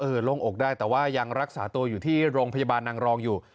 โล่งอกได้แต่ว่ายังรักษาตัวอยู่ที่โรงพยาบาลนางรองอยู่